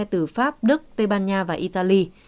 từ pháp đức tây ban nha và italy